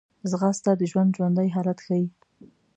ځغاسته د ژوند ژوندي حالت ښيي